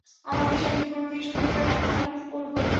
আমার বিশ্বাস, যদি কোনো দিন সুযোগ পাই, আমি ভালো কিছু করবই।